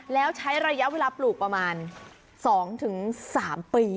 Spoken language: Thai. แล้วใช้ระยะเวลาปลูกประมาณ๒๓ปี